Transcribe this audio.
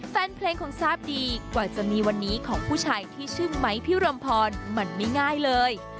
แฟนเพลงคงทราบดีกว่าจะมีวันนี้ของผู้ชายที่ชื่อไมค์พี่รมพรมันไม่ง่ายเลย